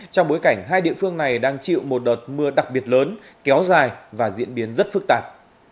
trong bối cảnh hai địa phương này đang chịu một đợt mưa đặc biệt lớn kéo dài và diễn biến rất phức tạp